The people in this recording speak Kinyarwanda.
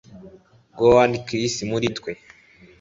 gowan chris muri twe.